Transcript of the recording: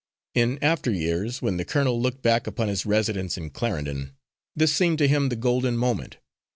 In after years, when the colonel looked back upon his residence in Clarendon, this seemed to him the golden moment.